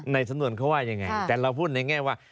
ในสำนวนเขาว่ายังไงแต่เราพูดในแง่ว่า